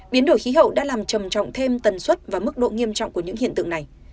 biến đổi khí hậu đã làm trầm trọng thêm tần suất và mức độ nghiêm trọng của những hiện tượng này